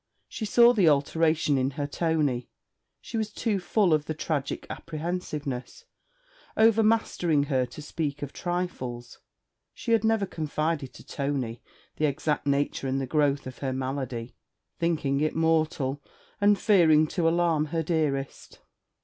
She saw the alteration in her Tony: she was too full of the tragic apprehensiveness, overmastering her to speak of trifles. She had never confided to Tony the exact nature and the growth of her malady, thinking it mortal, and fearing to alarm her dearest.